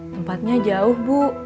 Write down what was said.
tempatnya jauh bu